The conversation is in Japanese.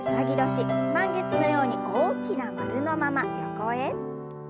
満月のように大きな丸のまま横へ。